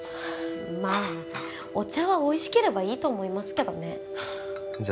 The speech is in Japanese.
まあお茶はおいしければいいと思いますけどねじゃ